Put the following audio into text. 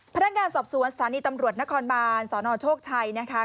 พนักงานสอบสวนสถานีตำรวจนครบานสนโชคชัยนะคะ